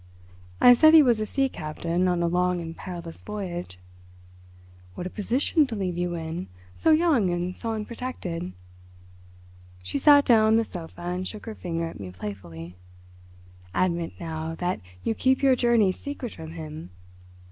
I said he was a sea captain on a long and perilous voyage. "What a position to leave you in—so young and so unprotected." She sat down on the sofa and shook her finger at me playfully. "Admit, now, that you keep your journeys secret from him.